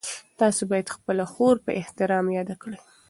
تاسو باید خپله خور په احترام یاده کړئ.